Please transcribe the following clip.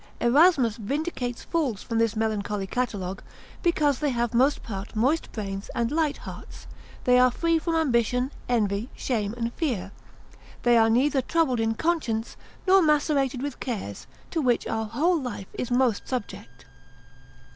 Erasmus vindicates fools from this melancholy catalogue, because they have most part moist brains and light hearts; they are free from ambition, envy, shame and fear; they are neither troubled in conscience, nor macerated with cares, to which our whole life is most subject.